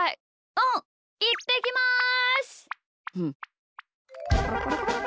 うんいってきます！